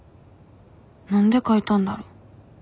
何で書いたんだろ。